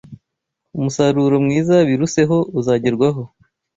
umusaruro mwiza biruseho uzagerwaho